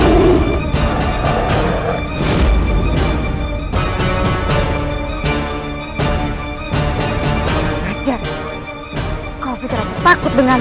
ngajak kau takut dengan